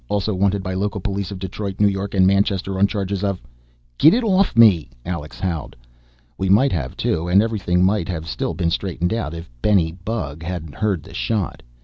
Also wanted by local police of Detroit, New York and Manchester on charges of ..." "Get it off me!" Alex howled. We might have too, and everything might have still been straightened out if Benny Bug hadn't heard the shot.